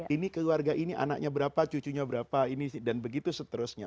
ini keluarga ini anaknya berapa cucunya berapa ini dan begitu seterusnya